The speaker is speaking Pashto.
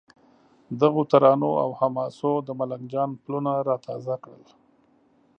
دغو ترانو او حماسو د ملنګ جان پلونه را تازه کړل.